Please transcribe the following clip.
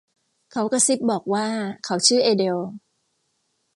เขากระซิบบอกว่าเขาชื่อเอเดล